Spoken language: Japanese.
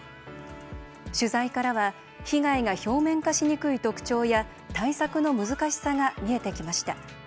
取材からは被害が表面化しにくい特徴や対策の難しさが見えてきました。